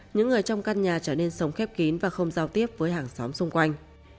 những người trong căn nhà trở nên sống khép kín và không giao tiếp với hàng xóm xung quanh